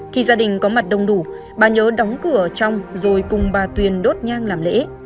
khi gia đình có mặt đông đủ bà nhớ đóng cửa trong rồi cùng bà tuyền đốt nhang làm lễ